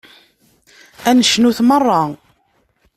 Ad necnut meṛṛa.